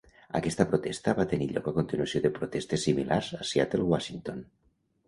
Aquesta protesta va tenir lloc a continuació de protestes similars a Seattle Washington.